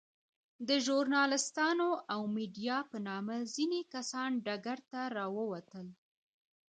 د ژورناليستانو او ميډيا په نامه ځينې کسان ډګر ته راووتل.